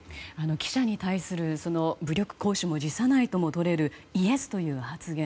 記者に対する武力行使も辞さないともとれるイエスという発言。